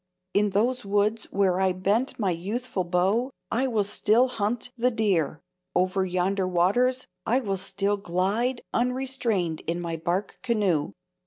In those woods where I bent my youthful bow, I will still hunt the deer; over yonder waters I will still glide unrestrained in my bark canoe.